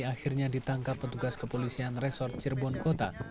akhirnya ditangkap petugas kepolisian resort cirebon kota